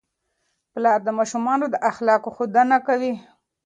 پلار د ماشومانو د اخلاقو ښودنه کوي.